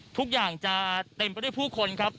ทุกอย่างจะเต็มไปด้วยผู้คนครับ